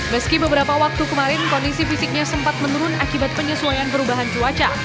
meski beberapa waktu kemarin kondisi fisiknya sempat menurun akibat penyesuaian perubahan cuaca